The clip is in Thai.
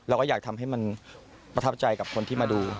เราก็อยากทำให้มันประทับใจกับคนที่มาดู